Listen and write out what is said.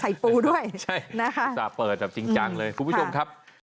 ใส่ปูด้วยใช่สาบเปิดจริงจังเลยคุณผู้ชมครับ